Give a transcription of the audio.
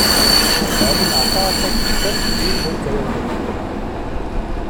Харин атаархагчдад ийм хувь заяа дутдаг.